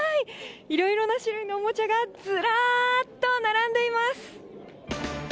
いろいろな種類のおもちゃがずらーっと並んでいます。